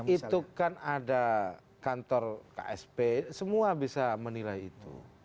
itu kan ada kantor ksp semua bisa menilai itu